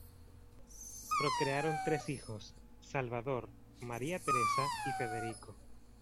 Procrearon tres hijos: Salvador, María Teresa y Federico.